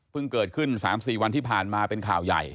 เกิดขึ้น๓๔วันที่ผ่านมาเป็นข่าวใหญ่